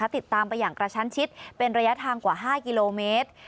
ติดตามไปอย่างกระชั้นชิดเป็นระยะทางกว่า๕กิโลเมตร